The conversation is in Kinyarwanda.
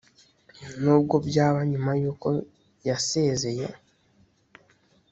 nubwo byaba nyuma yuko yasezeye